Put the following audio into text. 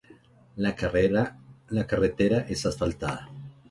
La carretera es asfaltada.